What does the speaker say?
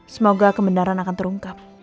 semoga kebenaran akan terungkap